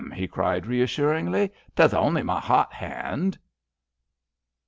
he cried, reassuringly, " 'tes only my hot hand."